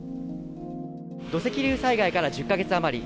土石流災害から１０か月余り。